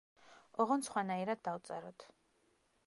ოღონდ, სხვანაირად დავწეროთ.